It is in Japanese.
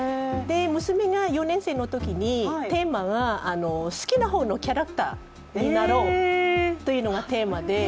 娘が４年生のときにテーマは、好きな本のキャラクターになろうというのがテーマで。